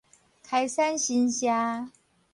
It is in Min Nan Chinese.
開山神社